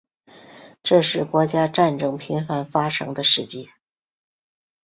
这是国家战争频繁发生的世界。